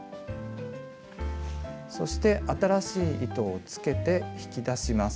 そして新しい糸をつけて引き出します。